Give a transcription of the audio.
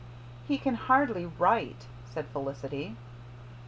"He can hardly write," said Felicity.